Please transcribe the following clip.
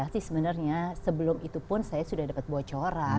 haan pada hati sebenarnya sebelum itu pun saya sudah dapat bocoran